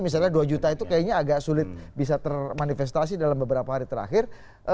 misalnya dua juta itu kayaknya agak sulit bisa termanifestasi dalam beberapa hari terakhir